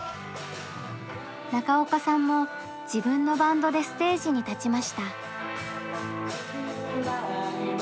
中岡さんも自分のバンドでステージに立ちました。